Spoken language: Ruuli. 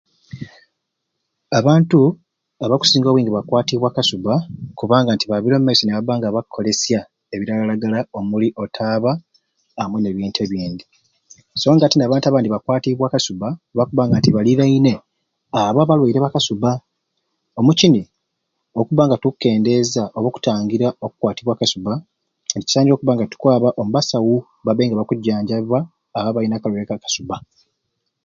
Abantu abakusinga obwingi bakwaka akasuba kubanga nti babire omu maisi nibaba ngabakolesya ebiragalagala omuli otaaba amwei nibintu ebindi so nga te abantu abandi bakwatibwe akasuba nti baliraine abo abalwaire ba kasuba omukini okub nga tukendeza oba okutangira oku kwatibwa akaduba kisaniire okuba nga tukwaba omu basawu babe nga bakujanjabibwa abo abalwaire ba kasuba